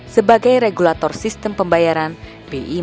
sebagai regulator sistem pembayaran bi non tunai